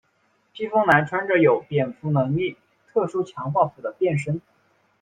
披风男穿着有蝙蝠能力特殊强化服的变身。